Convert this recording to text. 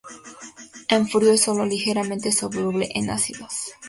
En frío, es solo ligeramente soluble en ácidos.